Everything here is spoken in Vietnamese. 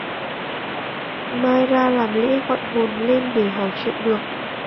mai ra làm lễ gọi hồn lên để hỏi chuyện được